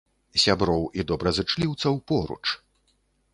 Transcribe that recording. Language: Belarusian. Сяброў і добразычліўцаў поруч!